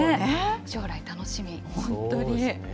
将来楽しみ。